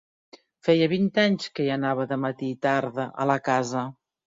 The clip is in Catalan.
Feia vint anys que hi anava de matí i tarde a la casa.